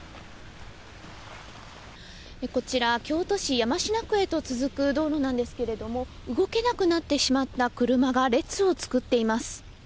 こちら、京都市山科区へと続く道路なんですけれども、動けなくなってしまった車が列を作っています。